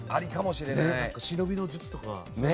忍びの術とか。